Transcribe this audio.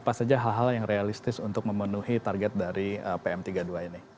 apa saja hal hal yang realistis untuk memenuhi target dari pm tiga puluh dua ini